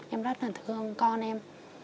em rất là thương con em